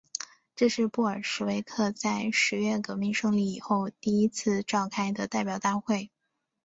这是布尔什维克在十月革命胜利以后第一次召开的代表大会。